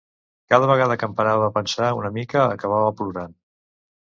Cada vegada que em parava a pensar una mica acabava plorant.